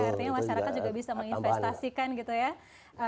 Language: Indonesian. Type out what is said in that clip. artinya masyarakat juga bisa menginvestasikan gitu ya